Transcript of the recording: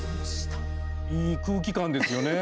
いい空気感ですよね。